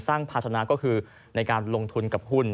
ภาชนะก็คือในการลงทุนกับหุ้น